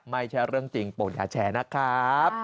ไม่ใช่เรื่องจริงโปรดอย่าแชร์นะครับ